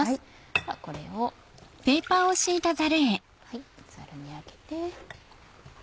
ではこれをザルにあけて。